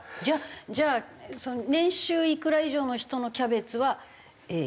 じゃあ年収いくら以上の人のキャベツは８００円。